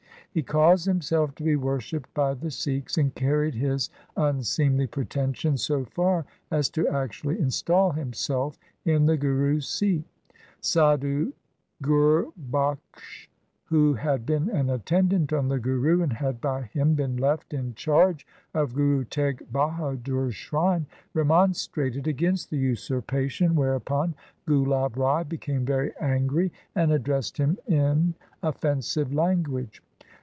He caused himself to be worshipped by the Sikhs and carried his unseemly pretensions so far as to actually instal himself in the Guru's seat. Sadhu Gurbakhsh, who had been an attendant on the Guru and had by him been left in charge of Guru Teg Bahadur's shrine, remonstrated against the usurpation, whereupon Gulab Rai became very angry, and addressed him in offensive language.